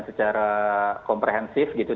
secara komprehensif gitu